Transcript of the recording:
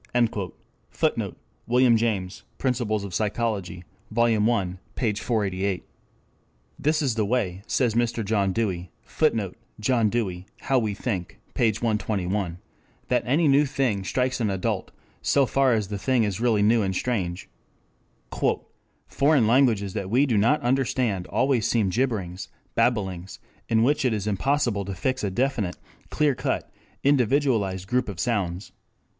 [Footnote: Wm. James, Principles of Psychology, Vol. I, p. 488.] This is the way, says Mr. John Dewey, [Footnote: John Dewey, How We Think, pg 121.] that any new thing strikes an adult, so far as the thing is really new and strange. "Foreign languages that we do not understand always seem jibberings, babblings, in which it is impossible to fix a definite, clear cut, individualized group of sounds.